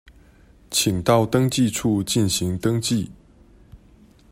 請到登記處進行登記